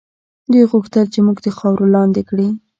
دوی غوښتل چې موږ د خاورو لاندې کړي.